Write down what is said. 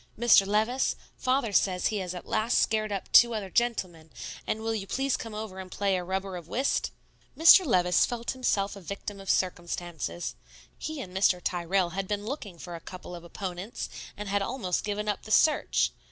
"Mr. Levice, Father says he has at last scared up two other gentlemen; and will you please come over and play a rubber of whist?" Mr. Levice felt himself a victim of circumstances. He and Mr. Tyrrell had been looking for a couple of opponents, and had almost given up the search.